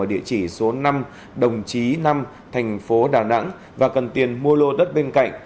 ở địa chỉ số năm đồng chí năm thành phố đà nẵng và cần tiền mua lô đất bên cạnh